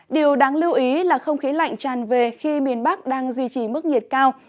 điều đáng lưu ý là không khí lạnh tràn về khi miền bắc đang duy trì mức nhiệt cao